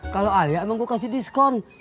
kalau alia emang gue kasih diskon